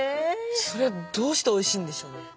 それはどうしておいしいんでしょうね？